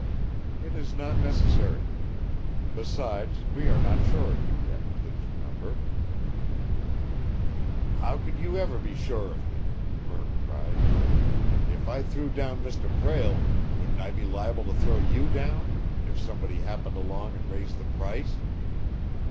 "It is not necessary. Besides, we are not sure of you yet, please remember." "How could you ever be sure of me?" Murk cried. "If I threw down Mr. Prale, wouldn't I be liable to throw you down, if somebody happened along and raised the price?